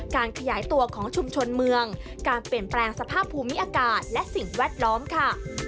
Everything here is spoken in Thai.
การขยายตัวของชุมชนเมืองการเปลี่ยนแปลงสภาพภูมิอากาศและสิ่งแวดล้อมค่ะ